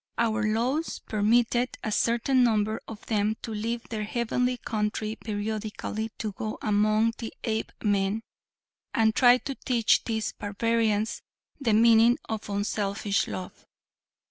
Our laws permitted a certain number of them to leave their heavenly country periodically to go among the Apemen, and try and teach these barbarians the meaning of unselfish love.